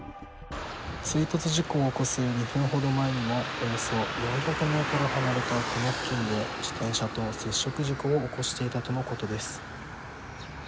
追突事故を起こす２分前にもおよそ４００メートル離れたこの付近で自転車と接触事故を起こしていたとのことです。